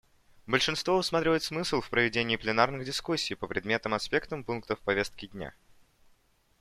Большинство усматривают смысл в проведении пленарных дискуссий по предметным аспектам пунктов повестки дня.